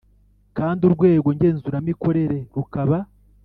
kandi Urwego Ngenzuramikorere rukaba